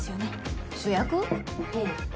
ええ。